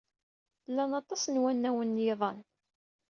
Llan aṭas n wanawen n yiḍan.